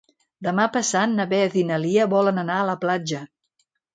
Demà passat na Beth i na Lia volen anar a la platja.